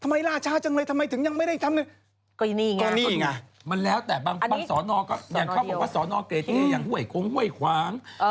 ทำไมราชาจังเลยถมัยถึงยังไม่ได้ทำ